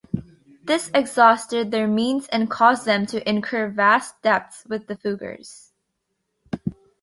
This exhausted their means and caused them to incur vast debts with the Fuggers.